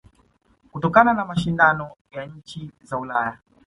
Kutokana na mashindano ya nchi za Ulaya